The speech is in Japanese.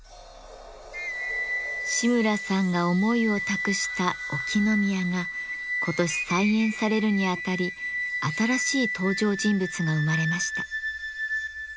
志村さんが思いを託した「沖宮」が今年再演されるにあたり新しい登場人物が生まれました。